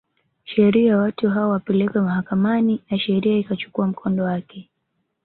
sheria watu hao wapelekwe mahakamani na sheria ikachukua mkondo wake